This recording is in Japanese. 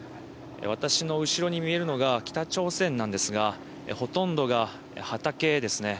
私の後ろに見えるのが北朝鮮なんですが、ほとんどが畑ですね。